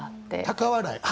高笑い？